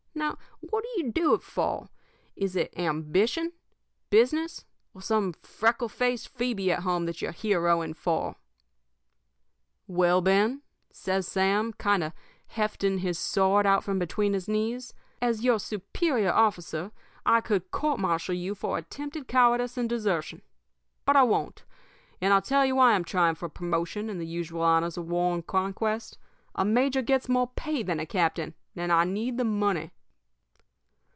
Now, what do you do it for? Is it ambition, business, or some freckle faced Phoebe at home that you are heroing for?' "'Well, Ben,' says Sam, kind of hefting his sword out from between his knees, 'as your superior officer I could court martial you for attempted cowardice and desertion. But I won't. And I'll tell you why I'm trying for promotion and the usual honors of war and conquest. A major gets more pay than a captain, and I need the money.'